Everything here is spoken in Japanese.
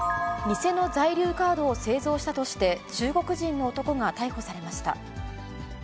偽の在留カードを製造したとして、中国人の男が逮捕されました。